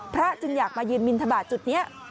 จึงอยากมายืนบินทบาทจุดนี้